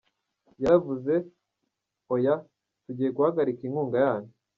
Yaravuze, oya, tugiye guhagarika inkunga yanyu.